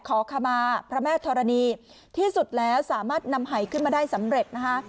ขอขมาพระแม่ธรณีที่สุดแล้วสามารถนำหายขึ้นมาได้สำเร็จนะคะ